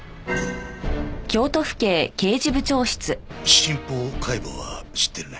新法解剖は知ってるね？